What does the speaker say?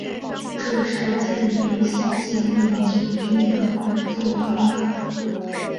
这是鉴别新型隐球菌的快速方法。